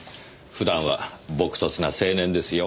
普段は朴訥な青年ですよ。